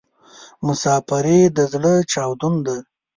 مسافري د ﺯړه چاودون ده